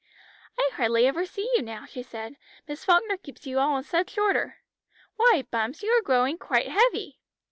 "I hardly ever see you now," she said; "Miss Falkner keeps you all in such order. Why, Bumps, you are growing quite heavy."